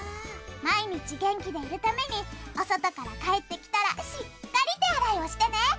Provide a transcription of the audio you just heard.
毎日元気でいるためにお外から帰ってきたらしっかり手洗いをしてね。